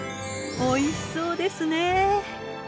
おいしそうですね。